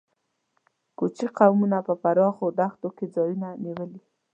کوچي قومونو په پراخو دښتونو کې ځایونه نیولي.